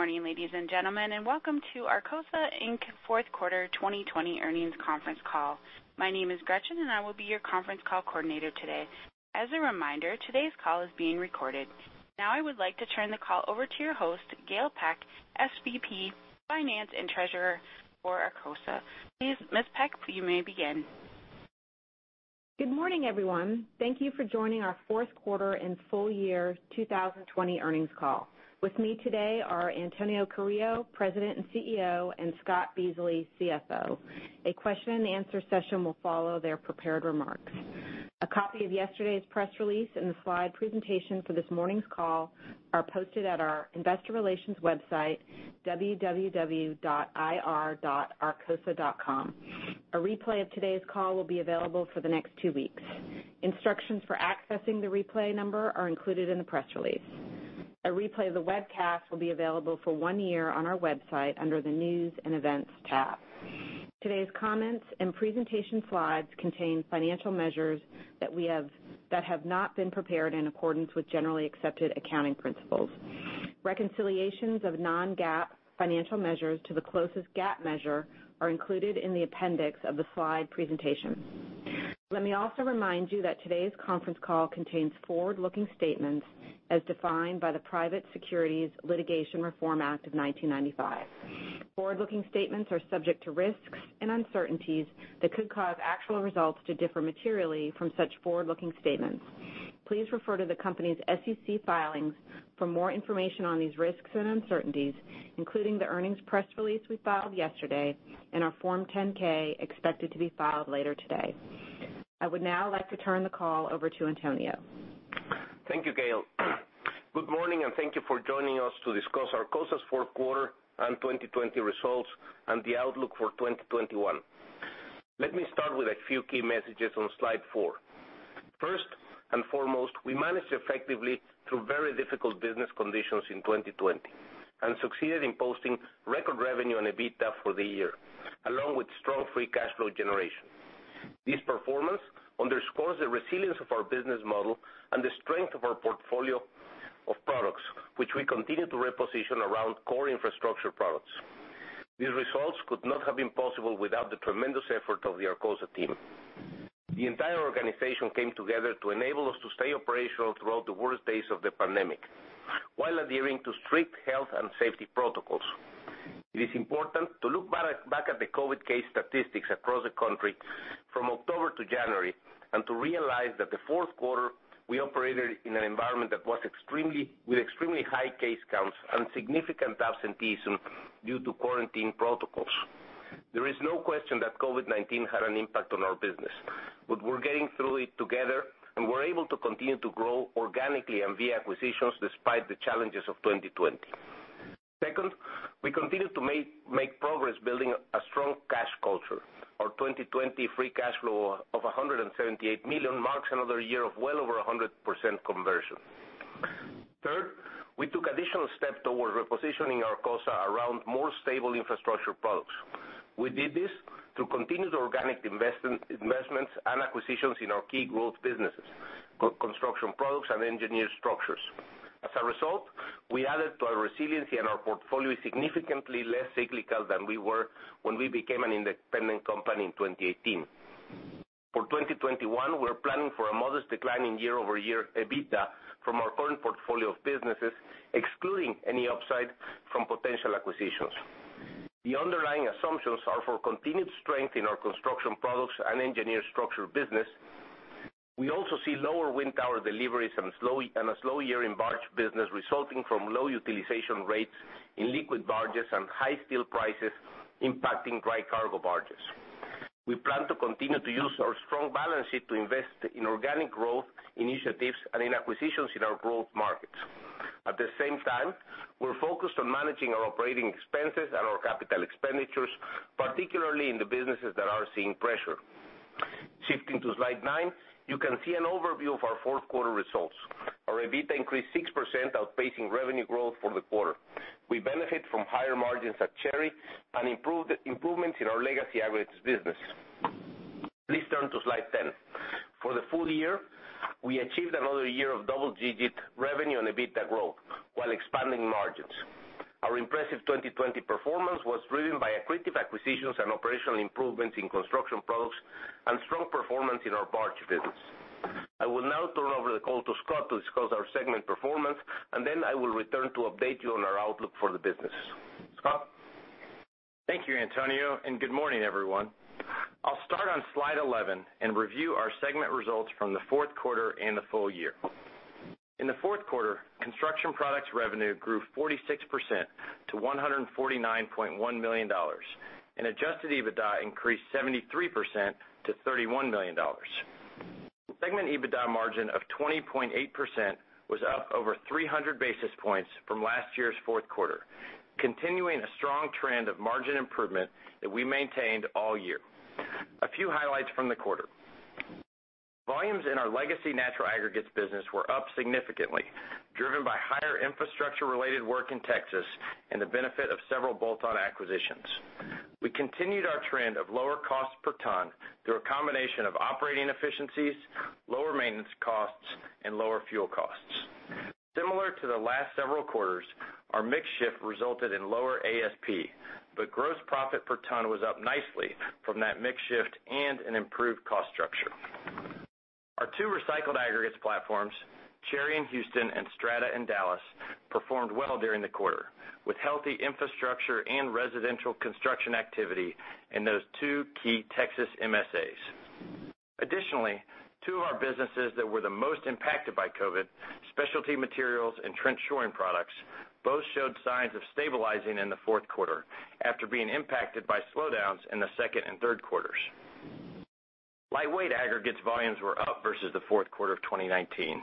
Good morning, ladies and gentlemen. Welcome to Arcosa Inc. fourth quarter 2020 earnings conference call. My name is Gretchen and I will be your conference call coordinator today. As a reminder, today's call is being recorded. Now I would like to turn the call over to your host, Gail Peck, SVP, Finance and Treasurer for Arcosa. Please, Ms. Peck, you may begin. Good morning, everyone. Thank you for joining our fourth quarter and full year 2020 earnings call. With me today are Antonio Carrillo, President and CEO, and Scott Beasley, CFO. A question-and-answer session will follow their prepared remarks. A copy of yesterday's press release and the slide presentation for this morning's call are posted at our Investor Relations website, www.ir.arcosa.com. A replay of today's call will be available for the next two weeks. Instructions for accessing the replay number are included in the press release. A replay of the webcast will be available for one year on our website under the news and events tab. Today's comments and presentation slides contain financial measures that have not been prepared in accordance with generally accepted accounting principles. Reconciliations of non-GAAP financial measures to the closest GAAP measure are included in the appendix of the slide presentation. Let me also remind you that today's conference call contains forward-looking statements as defined by the Private Securities Litigation Reform Act of 1995. Forward-looking statements are subject to risks and uncertainties that could cause actual results to differ materially from such forward-looking statements. Please refer to the company's SEC filings for more information on these risks and uncertainties, including the earnings press release we filed yesterday and our Form 10-K expected to be filed later today. I would now like to turn the call over to Antonio. Thank you, Gail. Good morning, and thank you for joining us to discuss Arcosa's fourth quarter and 2020 results and the outlook for 2021. Let me start with a few key messages on slide four. First and foremost, we managed effectively through very difficult business conditions in 2020, and succeeded in posting record revenue and EBITDA for the year, along with strong free cash flow generation. This performance underscores the resilience of our business model and the strength of our portfolio of products, which we continue to reposition around core infrastructure products. These results could not have been possible without the tremendous effort of the Arcosa team. The entire organization came together to enable us to stay operational throughout the worst days of the pandemic while adhering to strict health and safety protocols. It is important to look back at the COVID case statistics across the country from October to January, and to realize that the fourth quarter, we operated in an environment with extremely high case counts and significant absenteeism due to quarantine protocols. There is no question that COVID-19 had an impact on our business, but we're getting through it together and we're able to continue to grow organically and via acquisitions despite the challenges of 2020. Second, we continue to make progress building a strong cash culture. Our 2020 free cash flow of $178 million marks another year of well over 100% conversion. Third, we took additional steps toward repositioning Arcosa around more stable infrastructure products. We did this through continued organic investments and acquisitions in our key growth businesses, Construction Products and Engineered Structures. As a result, we added to our resiliency, and our portfolio is significantly less cyclical than we were when we became an independent company in 2018. For 2021, we're planning for a modest decline in year-over-year EBITDA from our current portfolio of businesses, excluding any upside from potential acquisitions. The underlying assumptions are for continued strength in our Construction Products and Engineered Structure business. We also see lower wind tower deliveries and a slow year in barge business resulting from low utilization rates in liquid barges and high steel prices impacting dry cargo barges. We plan to continue to use our strong balance sheet to invest in organic growth initiatives and in acquisitions in our growth markets. At the same time, we're focused on managing our operating expenses and our capital expenditures, particularly in the businesses that are seeing pressure. Shifting to slide nine, you can see an overview of our fourth quarter results. Our EBITDA increased 6%, outpacing revenue growth for the quarter. We benefit from higher margins at Cherry and improvements in our legacy aggregates business. Please turn to slide 10. For the full year, we achieved another year of double-digit revenue and EBITDA growth while expanding margins. Our impressive 2020 performance was driven by accretive acquisitions and operational improvements in Construction Products and strong performance in our barge business. I will now turn over the call to Scott to discuss our segment performance, and then I will return to update you on our outlook for the business. Scott? Thank you, Antonio, and good morning, everyone. I'll start on slide 11 and review our segment results from the fourth quarter and the full year. In the fourth quarter, Construction Products revenue grew 46% to $149.1 million, and adjusted EBITDA increased 73% to $31 million. Segment EBITDA margin of 20.8% was up over 300 basis points from last year's fourth quarter, continuing a strong trend of margin improvement that we maintained all year. A few highlights from the quarter. Volumes in our legacy natural aggregates business were up significantly, driven by higher infrastructure-related work in Texas and the benefit of several bolt-on acquisitions. We continued our trend of lower cost per ton through a combination of operating efficiencies, lower maintenance costs, and lower fuel costs. Similar to the last several quarters, our mix shift resulted in lower ASP, but gross profit per ton was up nicely from that mix shift and an improved cost structure. Our two recycled aggregates platforms, Cherry in Houston and Strata in Dallas, performed well during the quarter, with healthy infrastructure and residential construction activity in those two key Texas MSAs. Additionally, two of our businesses that were the most impacted by COVID, specialty materials and trench shoring products, both showed signs of stabilizing in the fourth quarter after being impacted by slowdowns in the second and third quarters. Lightweight aggregates volumes were up versus the fourth quarter of 2019.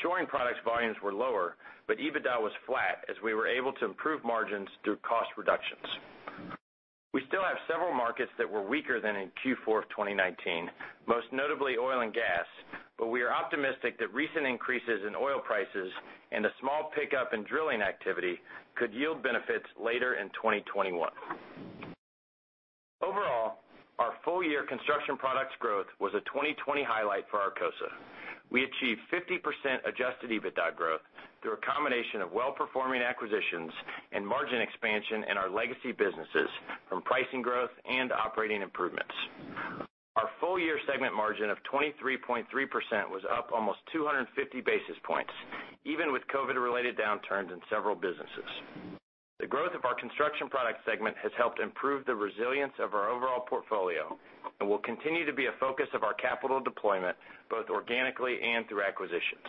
Shoring products volumes were lower, but EBITDA was flat, as we were able to improve margins through cost reductions. We still have several markets that were weaker than in Q4 of 2019, most notably oil and gas, but we are optimistic that recent increases in oil prices and a small pickup in drilling activity could yield benefits later in 2021. Overall, our full-year Construction Products growth was a 2020 highlight for Arcosa. We achieved 50% adjusted EBITDA growth through a combination of well-performing acquisitions and margin expansion in our legacy businesses from pricing growth and operating improvements. Our full-year segment margin of 23.3% was up almost 250 basis points, even with COVID-related downturns in several businesses. The growth of our Construction Products segment has helped improve the resilience of our overall portfolio and will continue to be a focus of our capital deployment, both organically and through acquisitions.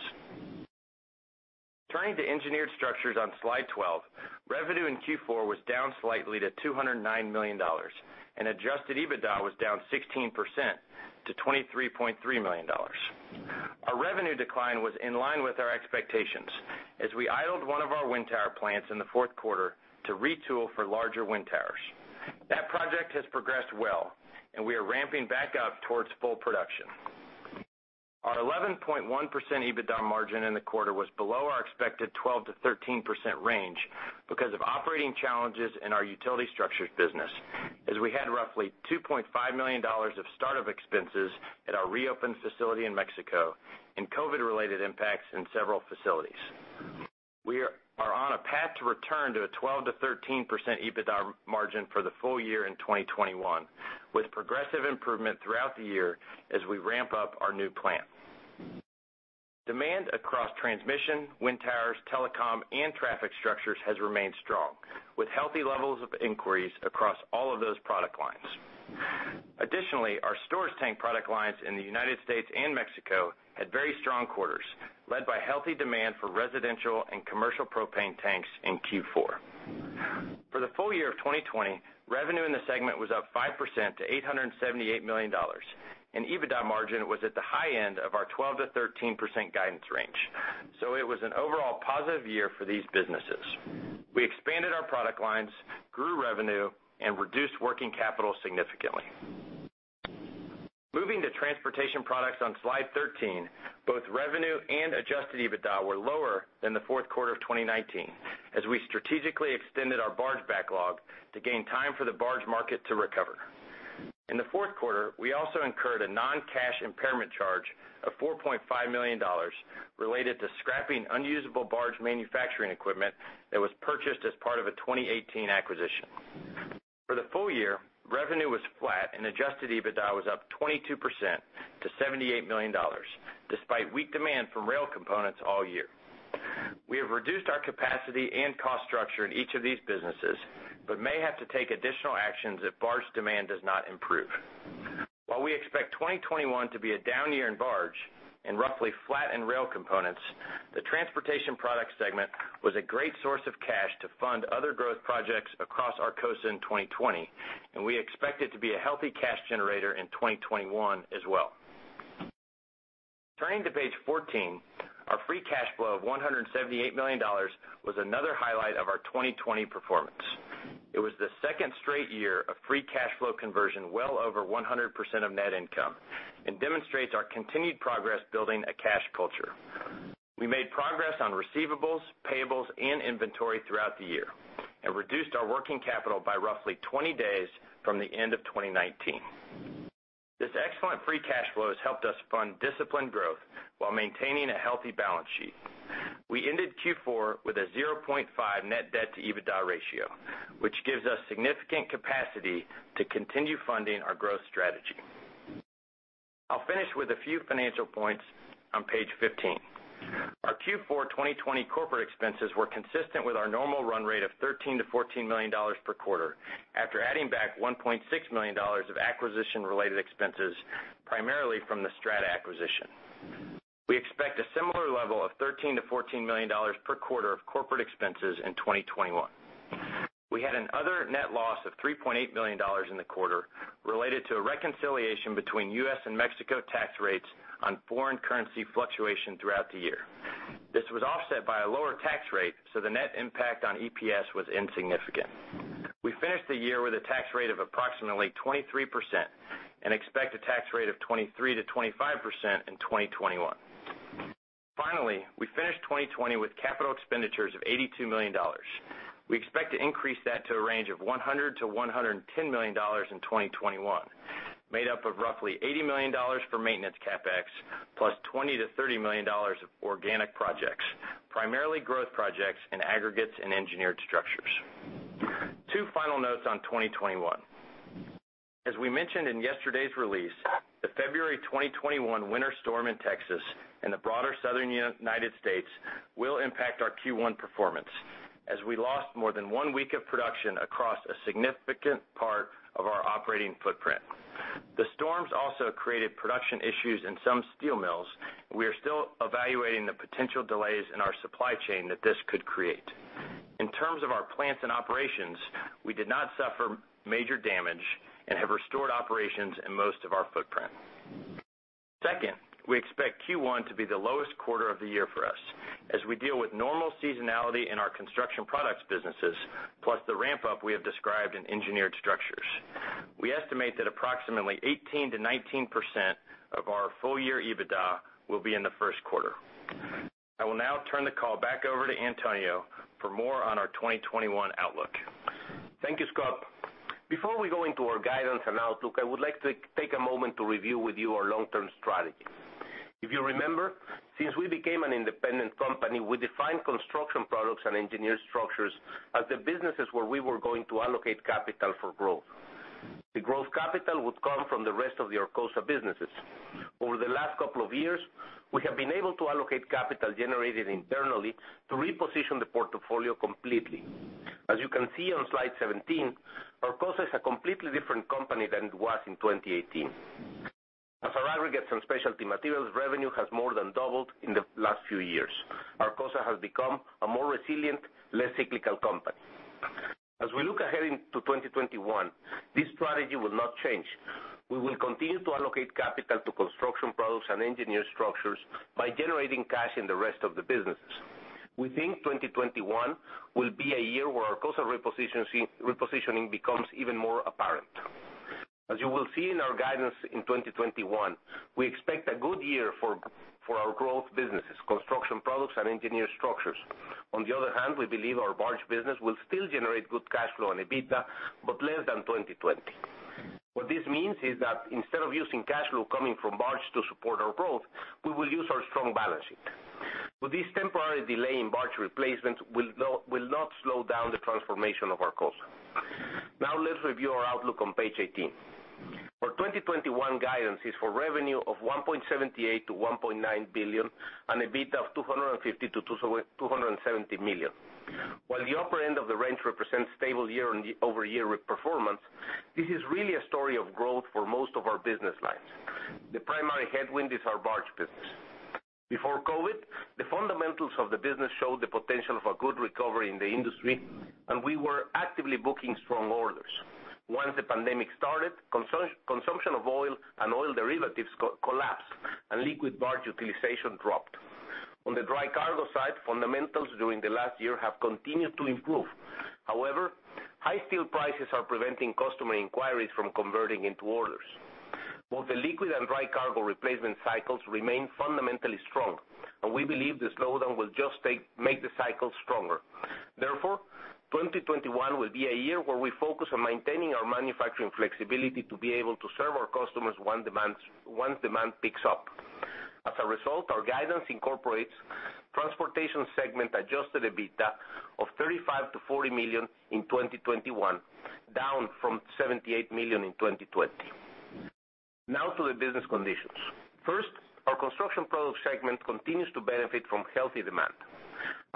Turning to Engineered Structures on slide 12, revenue in Q4 was down slightly to $209 million, and adjusted EBITDA was down 16% to $23.3 million. Our revenue decline was in line with our expectations, as we idled one of our wind tower plants in the fourth quarter to retool for larger wind towers. That project has progressed well, and we are ramping back up towards full production. Our 11.1% EBITDA margin in the quarter was below our expected 12%-13% range because of operating challenges in our utility structures business, as we had roughly $2.5 million of startup expenses at our reopened facility in Mexico, and COVID-related impacts in several facilities. We are on a path to return to a 12%-13% EBITDA margin for the full year in 2021, with progressive improvement throughout the year as we ramp up our new plant. Demand across transmission, wind towers, telecom, and traffic structures has remained strong, with healthy levels of inquiries across all of those product lines. Additionally, our storage tank product lines in the United States and Mexico had very strong quarters led by healthy demand for residential and commercial propane tanks in Q4. For the full year of 2020, revenue in the segment was up 5% to $878 million, and EBITDA margin was at the high end of our 12%-13% guidance range. It was an overall positive year for these businesses. We expanded our product lines, grew revenue, and reduced working capital significantly. Moving to Transportation Products on slide 13, both revenue and adjusted EBITDA were lower than the fourth quarter of 2019, as we strategically extended our barge backlog to gain time for the barge market to recover. In the fourth quarter, we also incurred a non-cash impairment charge of $4.5 million related to scrapping unusable barge manufacturing equipment that was purchased as part of a 2018 acquisition. For the full year, revenue was flat, and adjusted EBITDA was up 22% to $78 million, despite weak demand for rail components all year. We have reduced our capacity and cost structure in each of these businesses, but may have to take additional actions if barge demand does not improve. While we expect 2021 to be a down year in barge and roughly flat in rail components, the Transportation Products segment was a great source of cash to fund other growth projects across Arcosa in 2020, and we expect it to be a healthy cash generator in 2021 as well. Turning to page 14, our free cash flow of $178 million was another highlight of our 2020 performance. It was the second straight year of free cash flow conversion well over 100% of net income and demonstrates our continued progress building a cash culture. We made progress on receivables, payables, and inventory throughout the year, and reduced our working capital by roughly 20 days from the end of 2019. This excellent free cash flow has helped us fund disciplined growth while maintaining a healthy balance sheet. We ended Q4 with a 0.5x net-debt-to-EBITDA ratio, which gives us significant capacity to continue funding our growth strategy. I'll finish with a few financial points on page 15. Our Q4 2020 corporate expenses were consistent with our normal run rate of $13 million-$14 million per quarter after adding back $1.6 million of acquisition-related expenses, primarily from the Strata acquisition. We expect a similar level of $13 million-$14 million per quarter of corporate expenses in 2021. We had an other net loss of $3.8 million in the quarter related to a reconciliation between U.S. and Mexico tax rates on foreign currency fluctuation throughout the year. This was offset by a lower tax rate. The net impact on EPS was insignificant. We finished the year with a tax rate of approximately 23% and expect a tax rate of 23%-25% in 2021. Finally, we finished 2020 with capital expenditures of $82 million. We expect to increase that to a range of $100 million-$110 million in 2021, made up of roughly $80 million for maintenance CapEx, plus $20 million-$30 million of organic projects, primarily growth projects in Aggregates and Engineered Structures. Two final notes on 2021. As we mentioned in yesterday's release, the February 2021 winter storm in Texas and the broader Southern United States will impact our Q1 performance, as we lost more than one week of production across a significant part of our operating footprint. The storms also created production issues in some steel mills. We are still evaluating the potential delays in our supply chain that this could create. In terms of our plants and operations, we did not suffer major damage and have restored operations in most of our footprint. Second, we expect Q1 to be the lowest quarter of the year for us, as we deal with normal seasonality in our Construction Products businesses, plus the ramp-up we have described in Engineered Structures. We estimate that approximately 18%-19% of our full-year EBITDA will be in the first quarter. I will now turn the call back over to Antonio for more on our 2021 outlook. Thank you, Scott. Before we go into our guidance and outlook, I would like to take a moment to review with you our long-term strategy. If you remember, since we became an independent company, we defined Construction Products and Engineered Structures as the businesses where we were going to allocate capital for growth. The growth capital would come from the rest of the Arcosa businesses. Over the last couple of years, we have been able to allocate capital generated internally to reposition the portfolio completely. As you can see on slide 17, Arcosa is a completely different company than it was in 2018. As our aggregates and specialty materials revenue has more than doubled in the last few years, Arcosa has become a more resilient, less cyclical company. As we look ahead into 2021, this strategy will not change. We will continue to allocate capital to Construction Products and Engineered Structures by generating cash in the rest of the businesses. We think 2021 will be a year where Arcosa repositioning becomes even more apparent. As you will see in our guidance in 2021, we expect a good year for our growth businesses, Construction Products and Engineered Structures. On the other hand, we believe our barge business will still generate good cash flow and EBITDA, but less than 2020. What this means is that instead of using cash flow coming from barge to support our growth, we will use our strong balance sheet. This temporary delay in barge replacement will not slow down the transformation of Arcosa. Now let's review our outlook on page 18. Our 2021 guidance is for revenue of $1.78 billion-$1.9 billion, and EBITDA of $250 million-$270 million. While the upper end of the range represents stable year-over-year performance, this is really a story of growth for most of our business lines. The primary headwind is our barge business. Before COVID, the fundamentals of the business showed the potential of a good recovery in the industry, and we were actively booking strong orders. Once the pandemic started, consumption of oil and oil derivatives collapsed and liquid barge utilization dropped. On the dry cargo side, fundamentals during the last year have continued to improve. However, high steel prices are preventing customer inquiries from converting into orders. Both the liquid and dry cargo replacement cycles remain fundamentally strong, and we believe the slowdown will just make the cycle stronger. Therefore, 2021 will be a year where we focus on maintaining our manufacturing flexibility to be able to serve our customers once demand picks up. As a result, our guidance incorporates Transportation segment adjusted EBITDA of $35 million-$40 million in 2021, down from $78 million in 2020. Now to the business conditions. First, our Construction Product segment continues to benefit from healthy demand.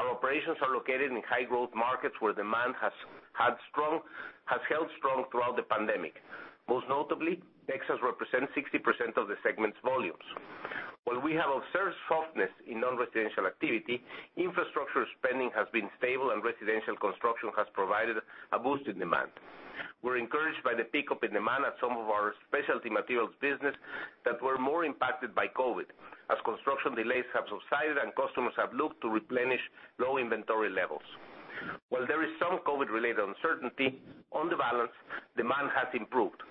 Our operations are located in high-growth markets where demand has held strong throughout the pandemic. Most notably, Texas represents 60% of the segment's volumes. While we have observed softness in non-residential activity, infrastructure spending has been stable, and residential construction has provided a boost in demand. We're encouraged by the pickup in demand at some of our specialty materials business that were more impacted by COVID, as construction delays have subsided, and customers have looked to replenish low inventory levels. While there is some COVID-related uncertainty, on the balance, demand has improved.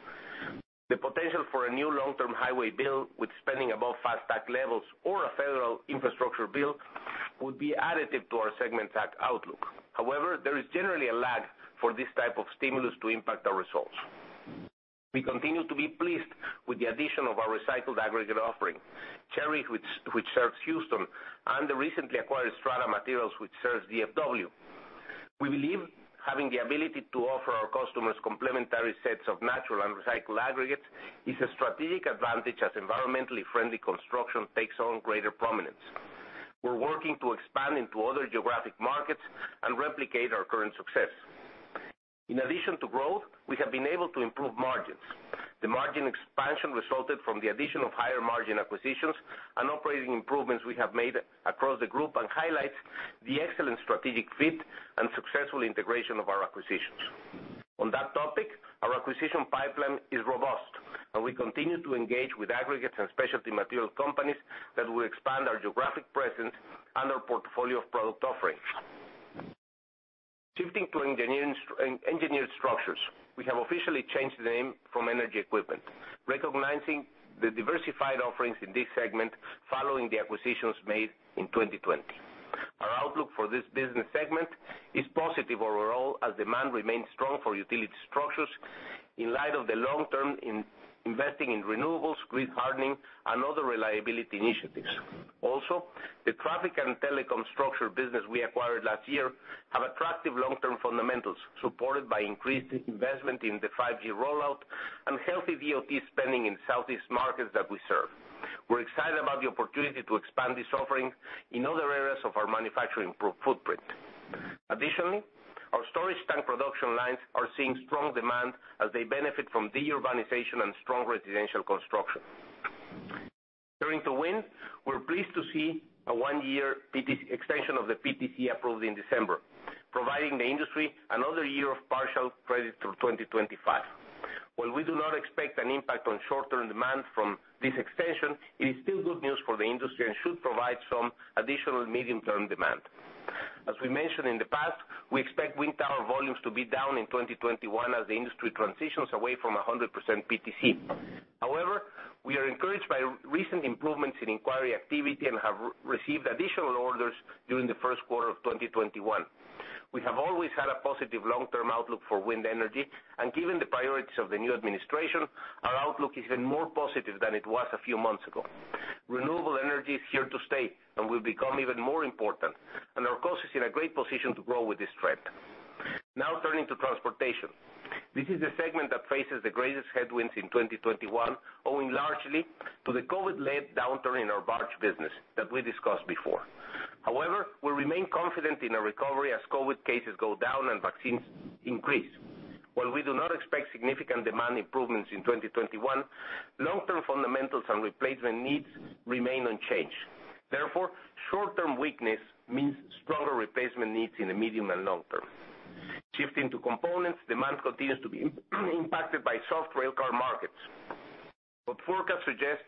The potential for a new long-term highway bill with spending above FAST Act levels or a federal infrastructure bill would be additive to our segment's outlook. However, there is generally a lag for this type of stimulus to impact our results. We continue to be pleased with the addition of our recycled aggregate offering, Cherry, which serves Houston, and the recently acquired Strata Materials, which serves DFW. We believe having the ability to offer our customers complementary sets of natural and recycled aggregates is a strategic advantage as environmentally friendly construction takes on greater prominence. We're working to expand into other geographic markets and replicate our current success. In addition to growth, we have been able to improve margins. The margin expansion resulted from the addition of higher-margin acquisitions and operating improvements we have made across the group and highlights the excellent strategic fit and successful integration of our acquisitions. On that topic, our acquisition pipeline is robust, and we continue to engage with aggregates and specialty material companies that will expand our geographic presence and our portfolio of product offerings. Shifting to Engineered Structures. We have officially changed the name from Energy Equipment, recognizing the diversified offerings in this segment following the acquisitions made in 2020. Our outlook for this business segment is positive overall, as demand remains strong for utility structures in light of the long-term investing in renewables, grid hardening, and other reliability initiatives. The traffic and telecom structure business we acquired last year have attractive long-term fundamentals, supported by increased investment in the 5G rollout and healthy DOT spending in Southeast markets that we serve. We're excited about the opportunity to expand this offering in other areas of our manufacturing footprint. Additionally, our storage tank production lines are seeing strong demand as they benefit from de-urbanization and strong residential construction. Turning to wind. We're pleased to see a one-year extension of the PTC approved in December, providing the industry another year of partial credit through 2025. While we do not expect an impact on short-term demand from this extension, it is still good news for the industry and should provide some additional medium-term demand. As we mentioned in the past, we expect wind tower volumes to be down in 2021 as the industry transitions away from 100% PTC. However, we are encouraged by recent improvements in inquiry activity and have received additional orders during the first quarter of 2021. We have always had a positive long-term outlook for wind energy, and given the priorities of the new administration, our outlook is even more positive than it was a few months ago. Renewable energy is here to stay and will become even more important, and Arcosa is in a great position to grow with this trend. Now turning to Transportation. This is the segment that faces the greatest headwinds in 2021, owing largely to the COVID-led downturn in our barge business that we discussed before. However, we remain confident in a recovery as COVID cases go down and vaccines increase. While we do not expect significant demand improvements in 2021, long-term fundamentals and replacement needs remain unchanged. Therefore, short-term weakness means stronger replacement needs in the medium and long term. Shifting to components, demand continues to be impacted by soft railcar markets. Forecasts suggest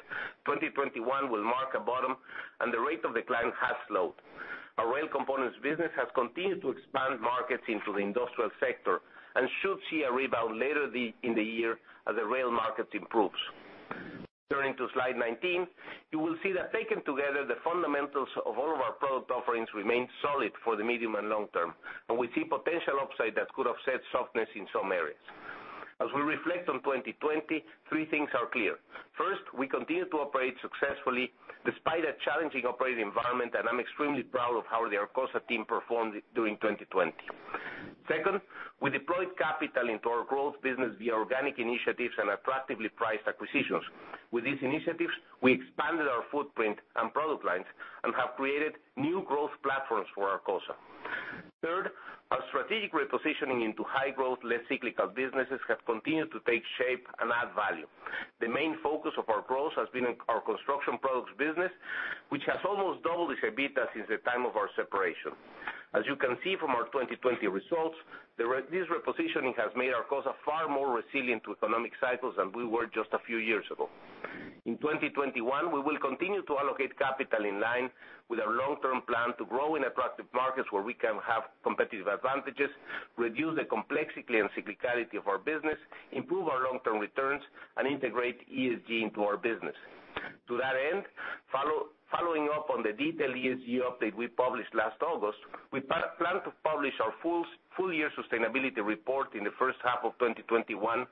2021 will mark a bottom, and the rate of decline has slowed. Our rail components business has continued to expand markets into the industrial sector and should see a rebound later in the year as the rail market improves. Turning to slide 19, you will see that taken together, the fundamentals of all of our product offerings remain solid for the medium and long term. We see potential upside that could offset softness in some areas. As we reflect on 2020, three things are clear. First, we continue to operate successfully despite a challenging operating environment, and I'm extremely proud of how the Arcosa team performed during 2020. Second, we deployed capital into our growth business via organic initiatives and attractively priced acquisitions. With these initiatives, we expanded our footprint and product lines, and have created new growth platforms for Arcosa. Third, our strategic repositioning into high growth, less cyclical businesses have continued to take shape and add value. The main focus of our growth has been in our Construction Products business, which has almost doubled its EBITDA since the time of our separation. As you can see from our 2020 results, this repositioning has made Arcosa far more resilient to economic cycles than we were just a few years ago. In 2021, we will continue to allocate capital in line with our long-term plan to grow in attractive markets where we can have competitive advantages, reduce the complexity and cyclicality of our business, improve our long-term returns, and integrate ESG into our business. To that end, following up on the detailed ESG update we published last August, we plan to publish our full-year sustainability report in the first half of 2021,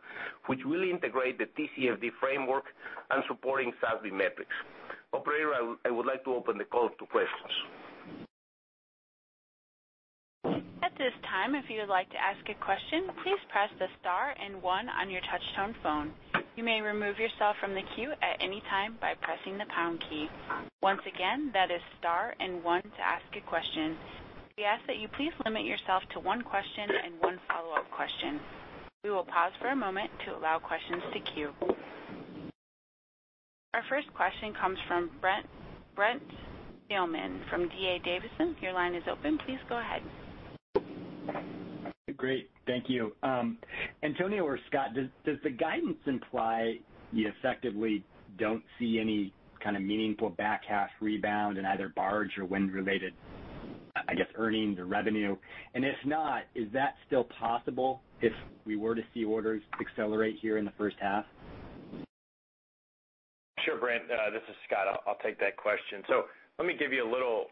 which will integrate the TCFD framework and supporting SASB metrics. Operator, I would like to open the call to questions. At this time, if you like to ask a question, please press the star and one on your touch-tone phone. You may remove yourself from the queue at anytime by pressing the pound key. Once again, that is star and one to ask a question. We ask that you please limit yourself to one question and one follow-up question. We will pause for a moment to allow questions to queue. Our first question comes from Brent Thielman from D.A. Davidson. Your line is open. Please go ahead. Great. Thank you. Antonio or Scott, does the guidance imply you effectively don't see any kind of meaningful back half rebound in either barge or wind related, I guess, earnings or revenue? If not, is that still possible if we were to see orders accelerate here in the first half? Sure, Brent. This is Scott. I'll take that question. Let me give you a little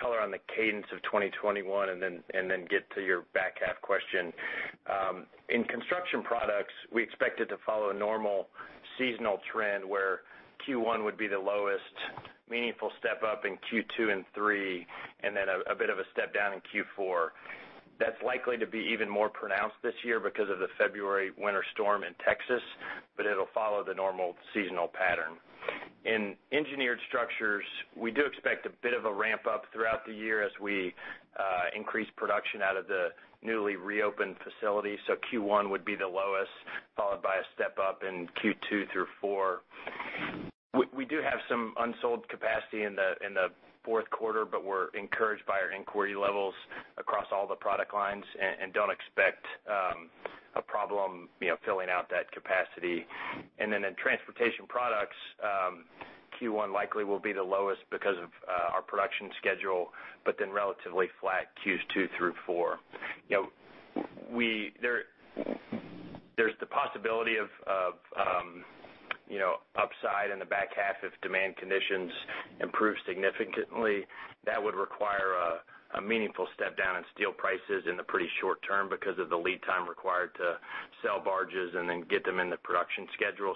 color on the cadence of 2021, and then get to your back half question. In Construction Products, we expect it to follow a normal seasonal trend where Q1 would be the lowest, meaningful step up in Q2 and 3, and then a bit of a step down in Q4. That's likely to be even more pronounced this year because of the February winter storm in Texas, but it'll follow the normal seasonal pattern. In Engineered Structures, we do expect a bit of a ramp up throughout the year as we increase production out of the newly reopened facility. Q1 would be the lowest, followed by a step up in Q2 through 4. We do have some unsold capacity in the fourth quarter, we're encouraged by our inquiry levels across all the product lines and don't expect a problem filling out that capacity. In Transportation Products, Q1 likely will be the lowest because of our production schedule, but then relatively flat Q2 through 4. There's the possibility of upside in the back half if demand conditions improve significantly. That would require a meaningful step down in steel prices in the pretty short term because of the lead time required to sell barges and then get them in the production schedule.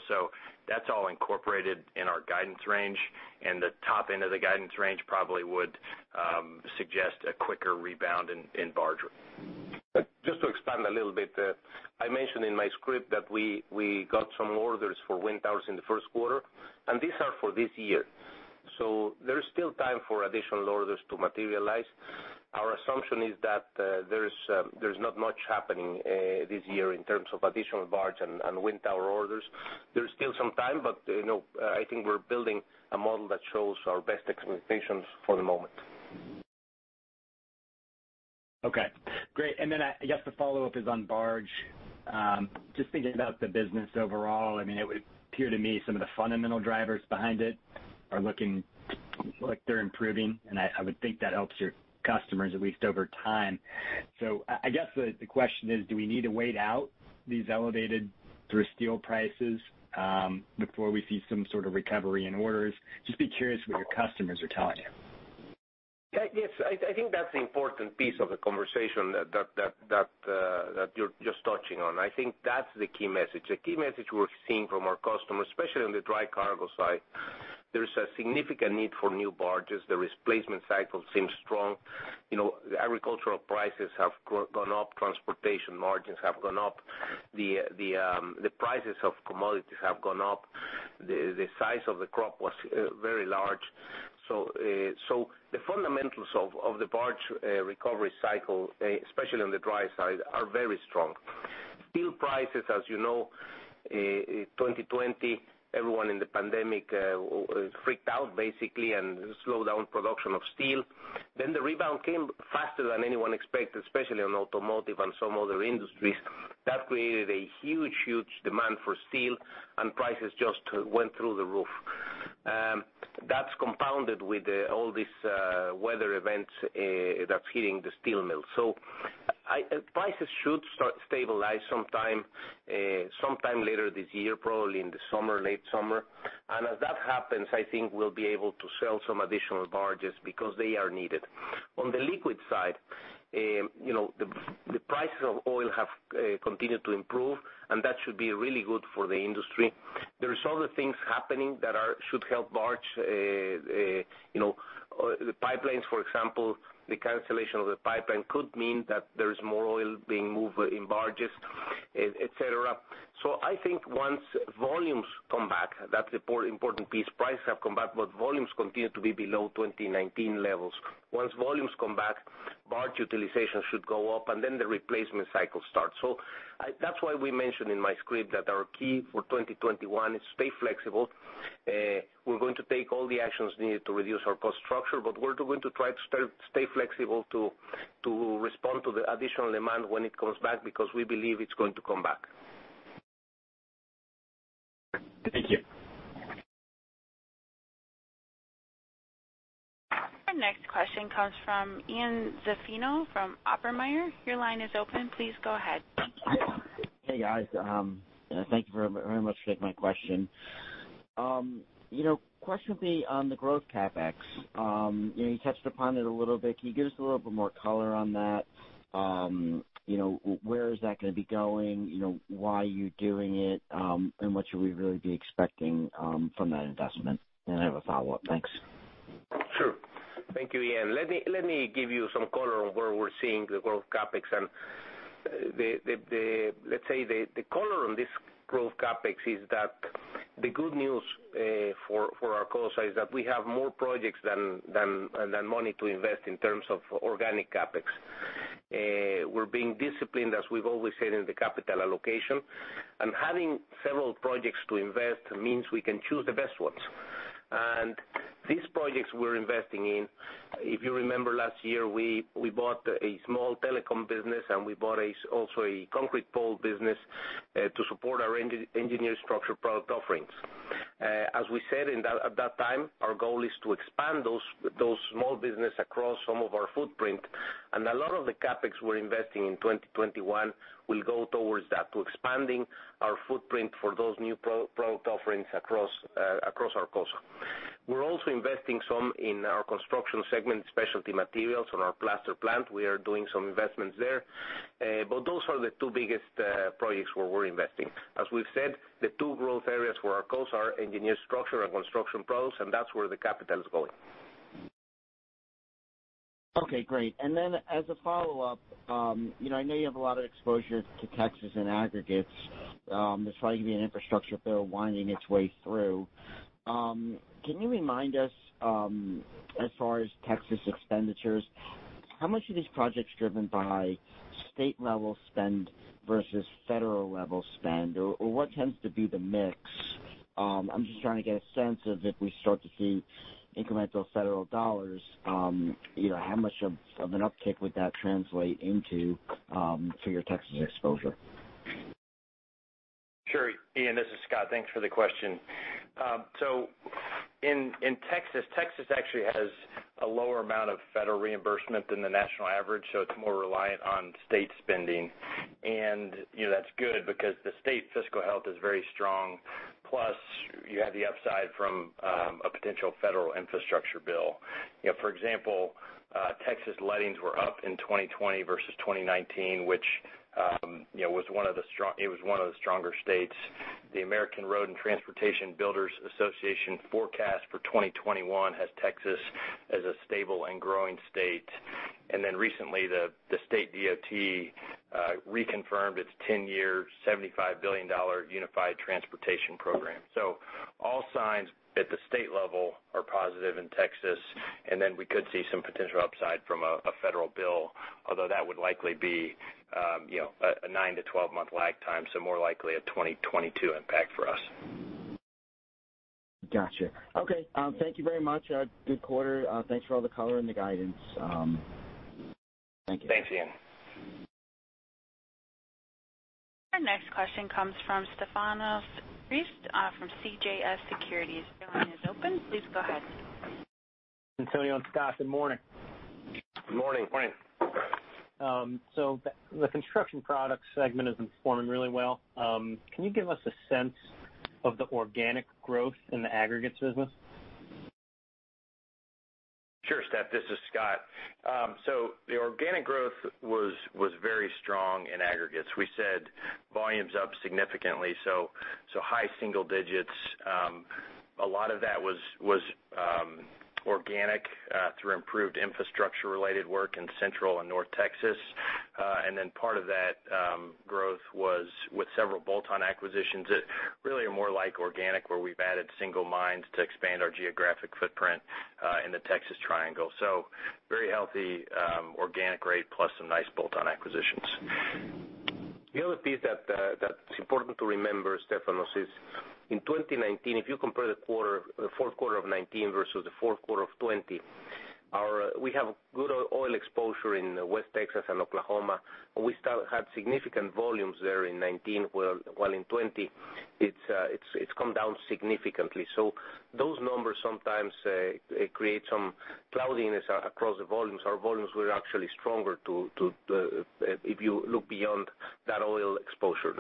That's all incorporated in our guidance range, and the top end of the guidance range probably would suggest a quicker rebound in barge. Just to expand a little bit. I mentioned in my script that we got some orders for wind towers in the first quarter, and these are for this year. There is still time for additional orders to materialize. Our assumption is that there's not much happening this year in terms of additional barge and wind tower orders. There's still some time, but I think we're building a model that shows our best expectations for the moment. Okay, great. I guess the follow-up is on barge. Just thinking about the business overall, it would appear to me some of the fundamental drivers behind it are looking like they're improving, and I would think that helps your customers, at least over time. I guess the question is, do we need to wait out these elevated steel prices before we see some sort of recovery in orders? Just be curious what your customers are telling you. Yes. I think that's an important piece of the conversation that you're just touching on. I think that's the key message. A key message we're seeing from our customers, especially on the dry cargo side. There is a significant need for new barges. The replacement cycle seems strong. The agricultural prices have gone up. Transportation margins have gone up. The prices of commodities have gone up. The size of the crop was very large. The fundamentals of the barge recovery cycle, especially on the dry side, are very strong. Steel prices, as you know, 2020, everyone in the pandemic freaked out basically and slowed down production of steel. The rebound came faster than anyone expected, especially on automotive and some other industries. That created a huge demand for steel and prices just went through the roof. That's compounded with all these weather events that's hitting the steel mills. Prices should start to stabilize sometime later this year, probably in the summer, late summer. As that happens, I think we'll be able to sell some additional barges because they are needed. On the liquid side, the prices of oil have continued to improve, and that should be really good for the industry. There is other things happening that should help barge. The pipelines, for example, the cancellation of the pipeline could mean that there is more oil being moved in barges, et cetera. I think once volumes come back, that's the important piece. Prices have come back, but volumes continue to be below 2019 levels. Once volumes come back, barge utilization should go up, and then the replacement cycle starts. That's why we mentioned in my script that our key for 2021 is stay flexible. We're going to take all the actions needed to reduce our cost structure, but we're going to try to stay flexible to respond to the additional demand when it comes back, because we believe it's going to come back. Thank you. Our next question comes from Ian Zaffino from Oppenheimer. Your line is open. Please go ahead. Hey, guys. Thank you very much for taking my question. Question would be on the growth CapEx. You touched upon it a little bit. Can you give us a little bit more color on that? Where is that gonna be going? Why are you doing it? What should we really be expecting from that investment? I have a follow-up. Thanks. Sure. Thank you, Ian. Let me give you some color on where we're seeing the growth CapEx. Let's say the color on this growth CapEx is that the good news for Arcosa is that we have more projects than money to invest in terms of organic CapEx. We're being disciplined, as we've always said, in the capital allocation. Having several projects to invest means we can choose the best ones. These projects we're investing in, if you remember last year, we bought a small telecom business, and we bought also a concrete pole business to support our Engineered Structure product offerings. As we said at that time, our goal is to expand those small business across some of our footprint. A lot of the CapEx we're investing in 2021 will go towards that, to expanding our footprint for those new product offerings across Arcosa. We're also investing some in our construction segment, specialty materials on our plaster plant. We are doing some investments there. Those are the two biggest projects where we're investing. As we've said, the two growth areas for Arcosa are Engineered Structure and Construction Products, that's where the capital is going. Okay, great. As a follow-up, I know you have a lot of exposure to Texas and aggregates. There's probably going to be an infrastructure bill winding its way through. Can you remind us, as far as Texas expenditures, how much of this project's driven by state-level spend versus federal-level spend, or what tends to be the mix? I'm just trying to get a sense of if we start to see incremental federal dollars, how much of an uptick would that translate into for your Texas exposure? Sure. Ian, this is Scott. Thanks for the question. In Texas actually has a lower amount of federal reimbursement than the national average, so it's more reliant on state spending. That's good because the state fiscal health is very strong, plus, you have the upside from a potential federal infrastructure bill. For example, Texas lettings were up in 2020 versus 2019, which it was one of the stronger states. The American Road & Transportation Builders Association forecast for 2021 has Texas as a stable and growing state. Recently, the state DOT reconfirmed its 10-year, $75 billion Unified Transportation Program. All signs at the state level are positive in Texas, and then we could see some potential upside from a federal bill, although that would likely be a 9-month to 12-month lag time, so more likely a 2022 impact for us. Got you. Okay. Thank you very much. Good quarter. Thanks for all the color and the guidance. Thank you. Thanks, Ian. Our next question comes from Stefanos Crist from CJS Securities. Your line is open. Please go ahead. Antonio and Scott, good morning. Good morning. Morning. The Construction Products segment is performing really well. Can you give us a sense of the organic growth in the aggregates business? Sure, Stef. This is Scott. The organic growth was very strong in aggregates. We said volumes up significantly, so high single digits. A lot of that was organic through improved infrastructure-related work in Central and North Texas. Part of that growth was with several bolt-on acquisitions that really are more like organic, where we've added single mines to expand our geographic footprint in the Texas triangle. Very healthy organic rate plus some nice bolt-on acquisitions. The other piece that's important to remember, Stefanos, is in 2019. If you compare the fourth quarter of 2019 versus the fourth quarter of 2020, we have good oil exposure in West Texas and Oklahoma. We still had significant volumes there in 2019, while in 2020, it's come down significantly. Those numbers sometimes create some cloudiness across the volumes. Our volumes were actually stronger, if you look beyond that oil exposure.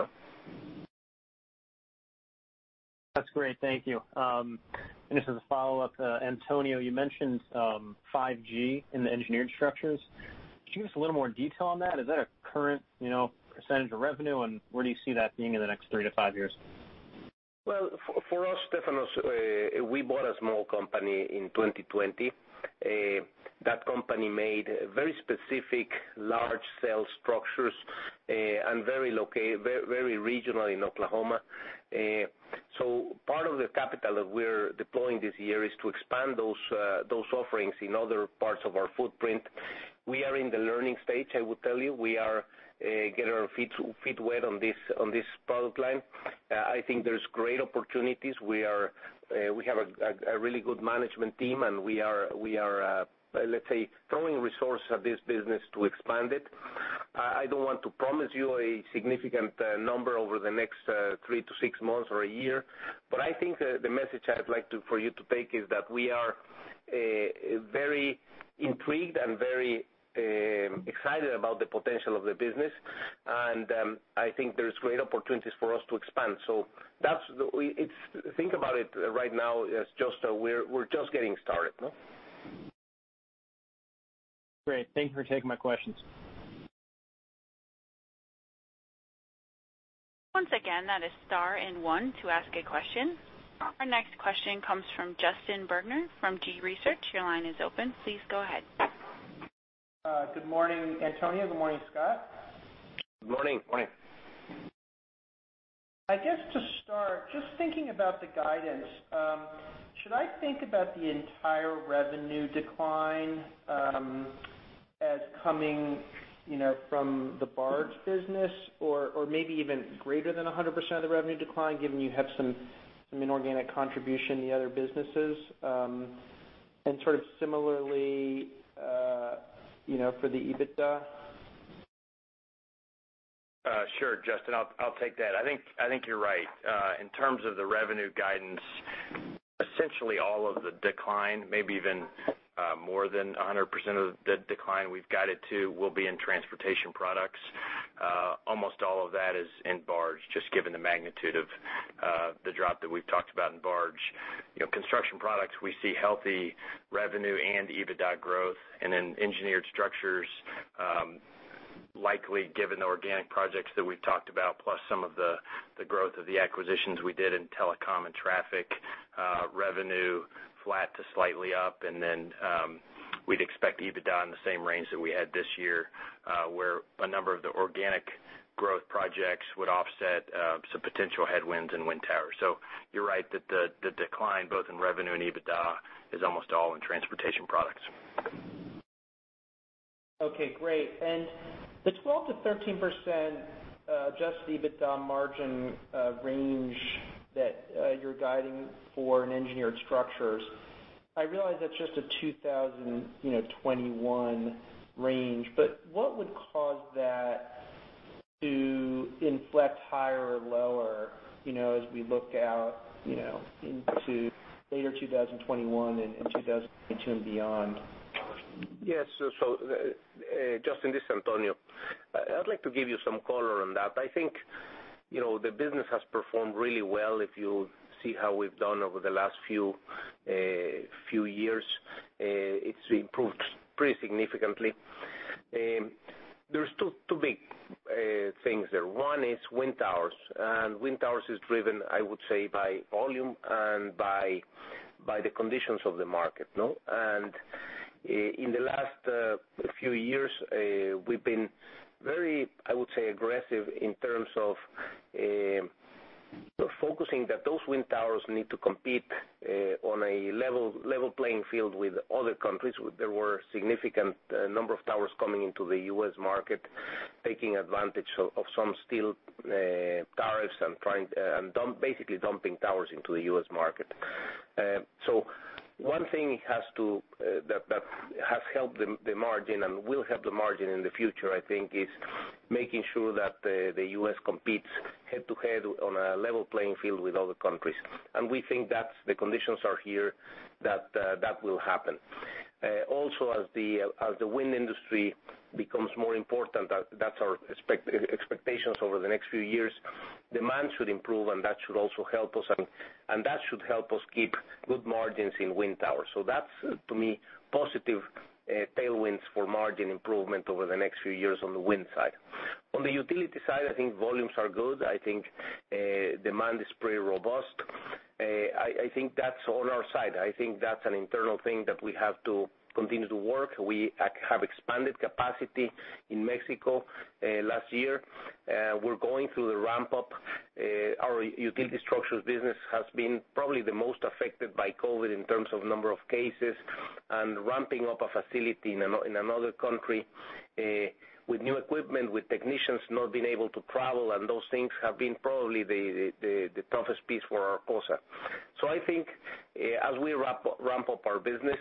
That's great. Thank you. Just as a follow-up, Antonio. You mentioned 5G in the Engineered Structures. Could you give us a little more detail on that? Is that a current percentage of revenue, and where do you see that being in the next three to five years? Well, for us, Stefanos, we bought a small company in 2020. That company made very specific large cell structures and very regional in Oklahoma. Part of the capital that we're deploying this year is to expand those offerings in other parts of our footprint. We are in the learning stage, I will tell you. We are getting our feet wet on this product line. I think there's great opportunities. We have a really good management team, and we are, let's say, throwing resource at this business to expand it. I don't want to promise you a significant number over the next three to six months or a year, but I think the message I'd like for you to take is that we are very intrigued and very excited about the potential of the business. I think there's great opportunities for us to expand. Think about it right now as we're just getting started. Great. Thank you for taking my questions. Once again, that is star and one to ask a question. Our next question comes from Justin Bergner from G.research. Your line is open. Please go ahead. Good morning, Antonio. Good morning, Scott. Good morning. Morning. I guess to start, just thinking about the guidance. Should I think about the entire revenue decline as coming from the barge business, or maybe even greater than 100% of the revenue decline, given you have some inorganic contribution in the other businesses? Sort of similarly, for the EBITDA? Sure, Justin. I'll take that. I think you're right. In terms of the revenue guidance, essentially all of the decline, maybe even more than 100% of the decline we've guided to, will be in Transportation Products. Almost all of that is in barge, just given the magnitude of the drop that we've talked about in barge. Construction products, we see healthy revenue and EBITDA growth. In Engineered Structures, likely given the organic projects that we've talked about, plus some of the growth of the acquisitions we did in telecom and traffic, revenue flat to slightly up. Then, we'd expect EBITDA in the same range that we had this year, where a number of the organic growth projects would offset some potential headwinds and wind towers. You're right that the decline both in revenue and EBITDA is almost all in Transportation Products. Okay, great. The 12%-13% adjusted EBITDA margin range that you're guiding for in Engineered Structures, I realize that's just a 2021 range, but what would cause that to inflect higher or lower, as we look out into later 2021 and 2022 and beyond? Yes. Justin, this is Antonio. I'd like to give you some color on that. I think the business has performed really well. If you see how we've done over the last few years, it's improved pretty significantly. There's two big things there. One is wind towers. Wind towers is driven, I would say, by volume and by the conditions of the market. No? In the last few years, we've been very, I would say, aggressive in terms of focusing that those wind towers need to compete on a level playing field with other countries. There were significant number of towers coming into the U.S. market, taking advantage of some steel tariffs and basically dumping towers into the U.S. market. One thing that has helped the margin and will help the margin in the future, I think, is making sure that the U.S. competes head-to-head on a level playing field with other countries. We think the conditions are here that that will happen. Also as the wind industry becomes more important. That's our expectations over the next few years, demand should improve, and that should also help us. That should help us keep good margins in wind towers. That's, to me, positive tailwinds for margin improvement over the next few years on the wind side. On the utility side, I think volumes are good. I think demand is pretty robust. I think that's on our side. I think that's an internal thing that we have to continue to work. We have expanded capacity in Mexico last year. We're going through the ramp-up. Our utility structures business has been probably the most affected by COVID in terms of number of cases, and ramping up a facility in another country with new equipment, with technicians not being able to travel. Those things have been probably the toughest piece for Arcosa. I think as we ramp up our business,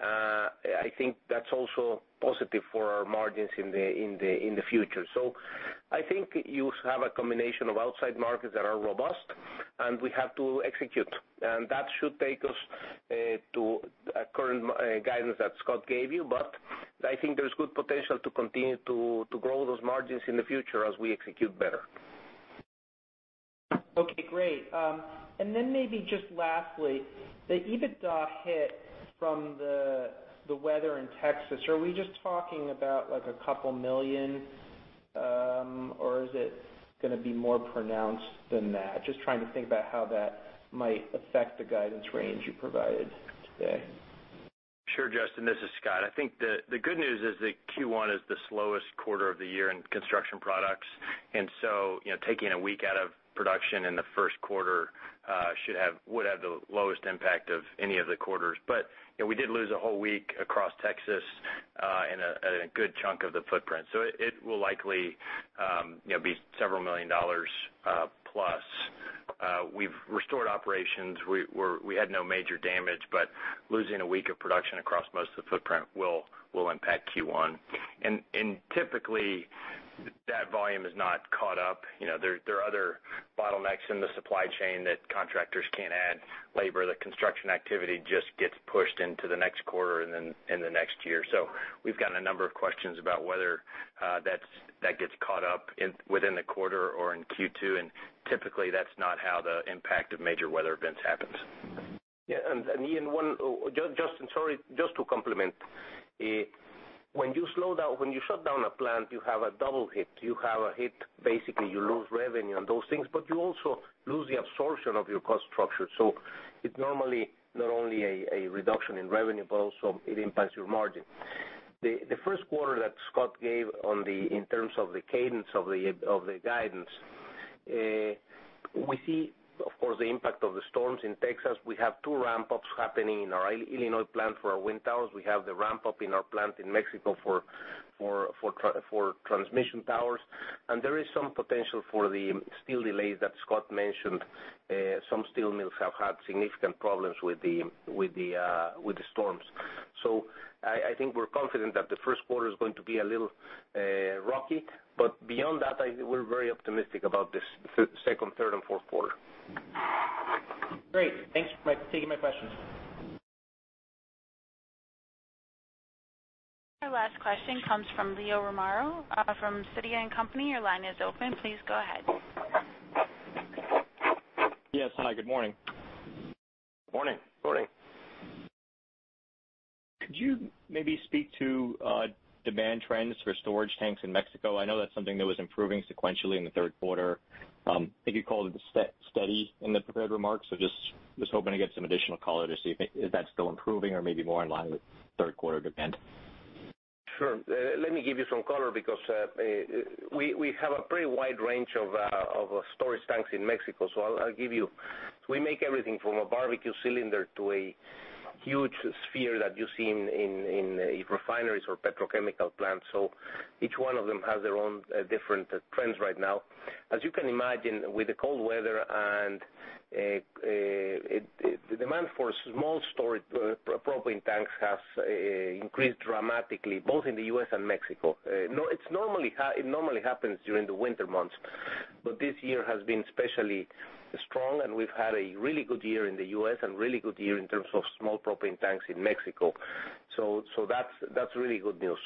I think that's also positive for our margins in the future. I think you have a combination of outside markets that are robust, and we have to execute. That should take us to a current guidance that Scott gave you. I think there's good potential to continue to grow those margins in the future as we execute better. Okay, great. Maybe just lastly, the EBITDA hit from the weather in Texas. Are we just talking about a couple million, or is it going to be more pronounced than that? Just trying to think about how that might affect the guidance range you provided today. Sure, Justin, this is Scott. I think the good news is that Q1 is the slowest quarter of the year in Construction Products. Taking a week out of production in the first quarter would have the lowest impact of any of the quarters. We did lose a whole week across Texas in a good chunk of the footprint. It will likely be several million dollars plus. We've restored operations. We had no major damage, but losing a week of production across most of the footprint will impact Q1. Typically, that volume is not caught up. There are other bottlenecks in the supply chain that contractors can't add labor. The construction activity just gets pushed into the next quarter and the next year. We've gotten a number of questions about whether that gets caught up within the quarter or in Q2, and typically that's not how the impact of major weather events happens. Justin, sorry, just to complement. When you shut down a plant, you have a double hit. You have a hit, basically, you lose revenue on those things, but you also lose the absorption of your cost structure. It's normally not only a reduction in revenue, but also it impacts your margin. The first quarter that Scott gave in terms of the cadence of the guidance, we see, of course, the impact of the storms in Texas. We have two ramp-ups happening in our Illinois plant for our wind towers. We have the ramp-up in our plant in Mexico for transmission towers. There is some potential for the steel delays that Scott mentioned. Some steel mills have had significant problems with the storms. I think we're confident that the first quarter is going to be a little rocky. Beyond that, we're very optimistic about the second, third, and fourth quarter. Great. Thanks for taking my questions. Our last question comes from Leo Romero from Sidoti & Company. Your line is open. Please go ahead. Yes. Hi, good morning. Morning. Morning. Could you maybe speak to demand trends for storage tanks in Mexico? I know that's something that was improving sequentially in the third quarter. I think you called it steady in the prepared remarks. Just hoping to get some additional color to see if that's still improving or maybe more in line with third quarter demand. Sure. Let me give you some color because we have a pretty wide range of storage tanks in Mexico. We make everything from a barbecue cylinder to a huge sphere that you see in refineries or petrochemical plants. Each one of them has their own different trends right now. As you can imagine, with the cold weather and the demand for small storage, propane tanks has increased dramatically, both in the U.S. and Mexico. It normally happens during the winter months, but this year has been especially strong. We've had a really good year in the U.S. and really good year in terms of small propane tanks in Mexico. That's really good news.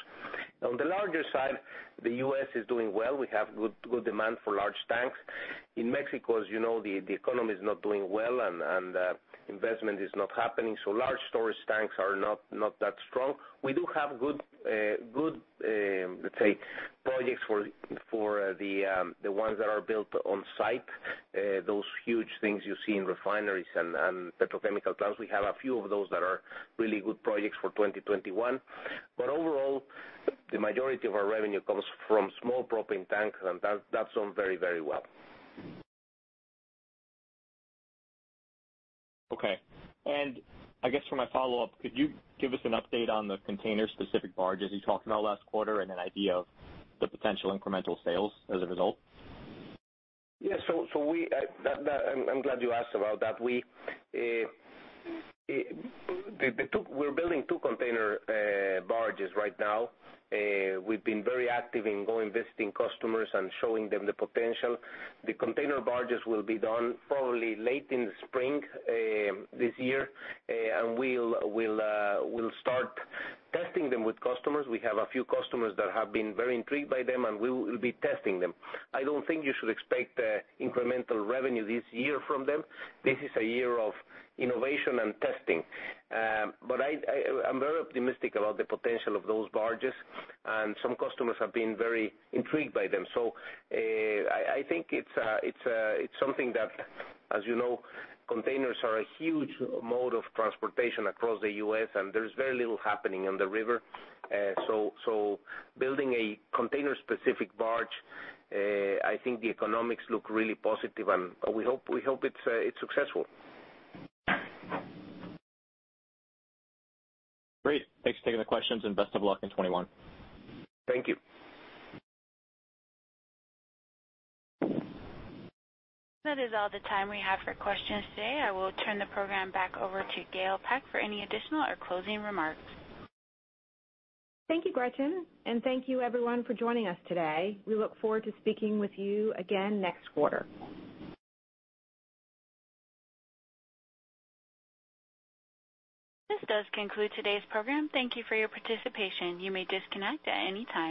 On the larger side, the U.S. is doing well. We have good demand for large tanks. In Mexico, as you know, the economy is not doing well and investment is not happening. Large storage tanks are not that strong. We do have good, let's say, projects for the ones that are built on site. Those huge things you see in refineries and petrochemical plants. We have a few of those that are really good projects for 2021. Overall, the majority of our revenue comes from small propane tanks, and that's done very, very well. Okay. I guess for my follow-up, could you give us an update on the container-specific barges you talked about last quarter and an idea of the potential incremental sales as a result? Yeah. I'm glad you asked about that. We're building two container barges right now. We've been very active in going visiting customers and showing them the potential. The container barges will be done probably late in the spring this year, and we'll start testing them with customers. We have a few customers that have been very intrigued by them, and we will be testing them. I don't think you should expect incremental revenue this year from them. This is a year of innovation and testing. I'm very optimistic about the potential of those barges, and some customers have been very intrigued by them. I think it's something that, as you know, containers are a huge mode of transportation across the U.S., and there's very little happening on the river. Building a container-specific barge, I think the economics look really positive, and we hope it's successful. Great. Thanks for taking the questions. Best of luck in 2021. Thank you. That is all the time we have for questions today. I will turn the program back over to Gail Peck for any additional or closing remarks. Thank you, Gretchen, and thank you everyone for joining us today. We look forward to speaking with you again next quarter. This does conclude today's program. Thank you for your participation. You may disconnect at any time.